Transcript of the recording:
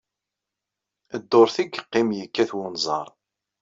Dduṛt ay yeqqim yekkat wenẓar.